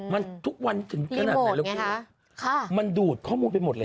มันทุกวันถึงขนาดไหนแล้วคุณมันดูดข้อมูลไปหมดเลย